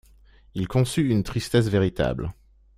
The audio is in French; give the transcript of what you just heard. Il conçut une tristesse véritable.